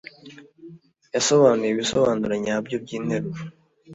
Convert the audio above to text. yasobanuye ibisobanuro nyabyo byinteruro.